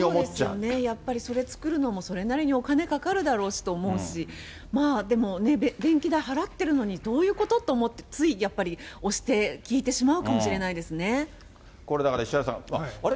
そうですよね、やっぱりそれ作るのもそれなりにお金かかるだろうしと思うし、まあ、でも、電気代払ってるのに、どういうことと思って、ついやっぱり、つい押して、これ、だから、石原さん、あれ？